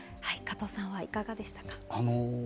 加藤さんはいかがでしたか？